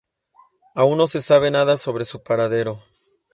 Aún no se sabe nada sobre su paradero.